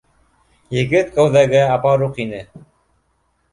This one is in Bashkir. Егет кәүҙәгә апаруҡ ине